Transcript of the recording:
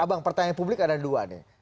abang pertanyaan publik ada dua nih